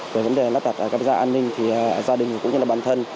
về vấn đề lắp đặt camera an ninh thì gia đình cũng như là bản thân